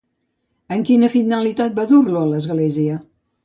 Amb quina finalitat van dur-lo a l'església?